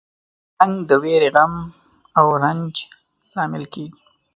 جنګ د ویرې، غم او رنج لامل کیږي.